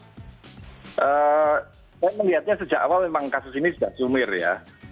saya melihatnya sejak awal memang kasus ini sudah sumir ya